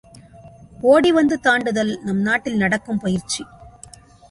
ஓடிவந்து தாண்டுதல் நம் நாட்டில் நடக்கும் பயிற்சி.